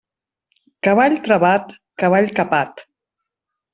Cavall travat, cavall capat.